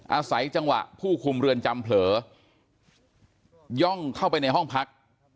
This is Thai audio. อาศัยจังหวะผู้คุมเรือนจำเผลอย่องเข้าไปในห้องพัก